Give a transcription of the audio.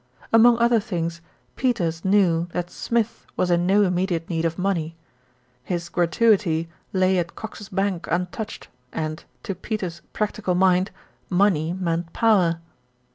Among other things, Peters knew that Smith was in no immediate need of money. His gratuity lay at Cox's Bank untouched and, to Peters' practical mind, money meant power.